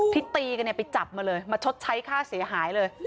ตีกันเนี่ยไปจับมาเลยมาชดใช้ค่าเสียหายเลย